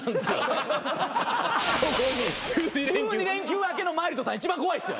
１２連休明けのマイルドさん一番怖いですよ